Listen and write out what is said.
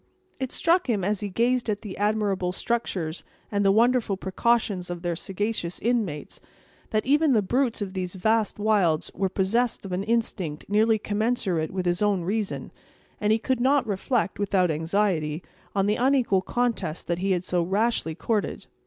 It struck him, as he gazed at the admirable structures and the wonderful precautions of their sagacious inmates, that even the brutes of these vast wilds were possessed of an instinct nearly commensurate with his own reason; and he could not reflect, without anxiety, on the unequal contest that he had so rashly courted.